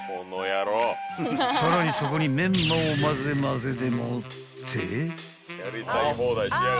［さらにそこにメンマをまぜまぜでもって］